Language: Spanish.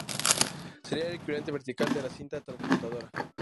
Sería el equivalente vertical de la cinta transportadora.